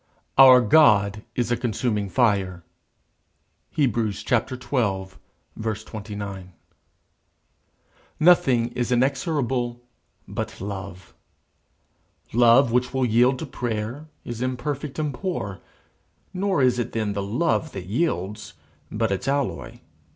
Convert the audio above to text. Our God is a consuming fire. HEBREWS xii. 29 Nothing is inexorable but love. Love which will yield to prayer is imperfect and poor. Nor is it then the love that yields, but its alloy.